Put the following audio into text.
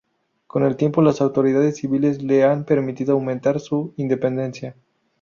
Con el tiempo las autoridades civiles le han permitido aumentar su independencia.